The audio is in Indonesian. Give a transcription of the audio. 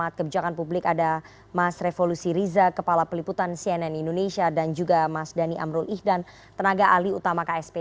terima kasih juga mas dhani amrul ij dan tenaga ahli utama ksp